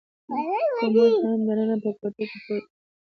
کمود هم دننه په کوټه کې پروت و.